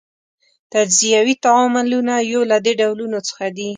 تجزیوي تعاملونه یو له دې ډولونو څخه دي.